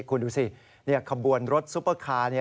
คุณดูสิขบวนรถซุปเปอร์คาร์